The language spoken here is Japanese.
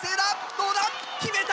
どうだ⁉決めた！